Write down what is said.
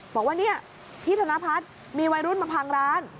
บอกว่าเนี่ยพี่ธนพัฒน์มีวัยรุ่นมาพังร้าน